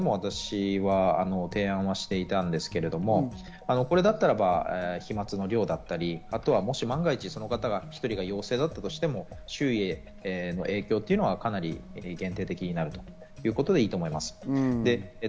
これについては前回、第３波の時にも私は提案していたんですけど、これだったらば飛沫の量だったり、万が一、その方１人が陽性だったとしても、周囲への影響というのはかなり限定的になるということでいいと思います。